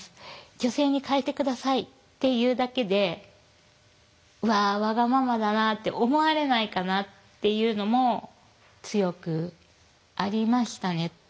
女性にかえて下さいって言うだけで「うわわがままだな」って思われないかなっていうのも強くありましたね。